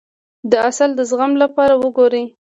د عسل د زخم لپاره وکاروئ